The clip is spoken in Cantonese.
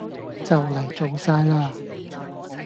就嚟做晒喇